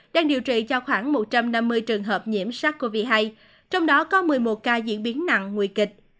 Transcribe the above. đang điều trị cho khoảng một trăm năm mươi trường hợp nhiễm sars cov hai trong đó có một mươi một ca diễn biến nặng nguy kịch